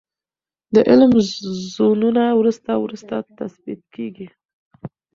د علم زونونه وروسته وروسته تثبیت کیږي.